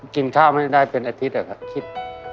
กินข้าวไม่ได้เป็นอาทิตย์คิด